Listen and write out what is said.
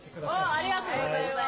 ありがとうございます。